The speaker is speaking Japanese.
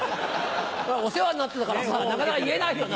お世話になってたからさなかなか言えないよな。